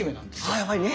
あやっぱりね。